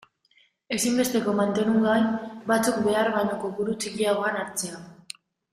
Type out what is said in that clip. Ezinbesteko mantenugai batzuk behar baino kopuru txikiagoan hartzea.